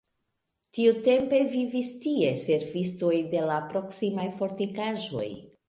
Tiutempe vivis tie servistoj de la proksimaj fortikaĵoj.